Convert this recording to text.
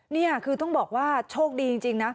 นี่คือต้องบอกว่าโชคดีจริงนะ